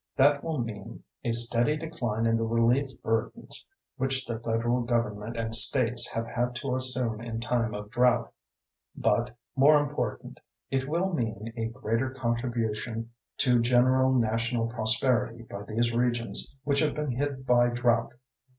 That will mean a steady decline in the relief burdens which the federal government and states have had to assume in time of drought; but, more important, it will mean a greater contribution to general national prosperity by these regions which have been hit by drought.